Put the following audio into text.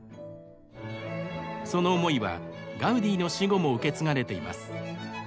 その思いはガウディの死後も受け継がれています。